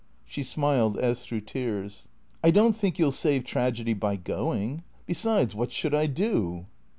She smiled as through tears. " I don't think you 'U save tragedy by going. Besides, what should I do?"